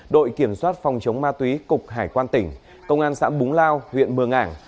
đội kiểm soát phòng chống ma túy cục hải quan tỉnh công an xã búng lao huyện mường ảng